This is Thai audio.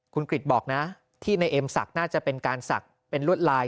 คุณกริจบอกนะที่ในเอ็มศักดิ์น่าจะเป็นการศักดิ์เป็นลวดลาย